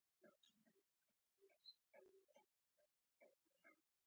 دی سمدستي پر خپل آس سپور شو او په تاخت ولاړ.